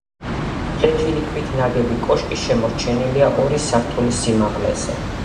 ფლეთილი ქვით ნაგები კოშკი შემორჩენილია ორი სართულის სიმაღლეზე.